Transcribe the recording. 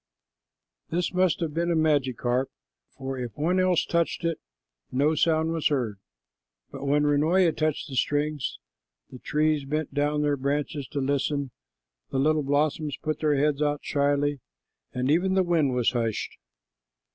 This must have been a magic harp, for if one else touched it, no sound was heard, but when Runoia touched the strings, the trees bent down their branches to listen, the little blossoms put their heads out shyly, and even the wind was hushed.